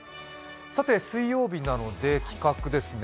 水曜日なので企画ですね。